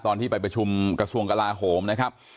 ตอนที่ไปประชุมกระทรวงกลาโหมนะครับ